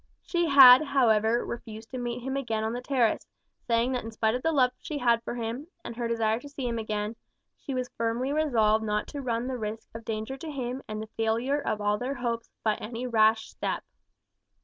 She had, however, refused to meet him again on the terrace, saying that in spite of the love she had for him, and her desire to see him again, she was firmly resolved not to run the risk of danger to him and the failure of all their hopes, by any rash step.